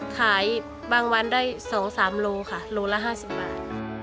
ขายบางวันได้๒๓โลค่ะโลละ๕๐บาท